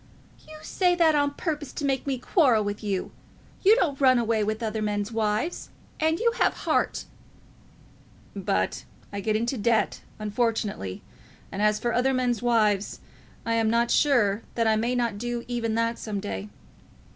"You say that on purpose to make me quarrel with you. You don't run away with other men's wives, and you have heart." "But I get into debt, unfortunately; and as for other men's wives, I am not sure that I may not do even that some day.